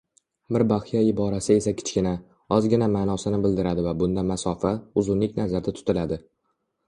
Bir baxya iborasi esa kichkina, ozgina maʼnosini bildiradi va bunda masofa, uzunlik nazarda tutiladi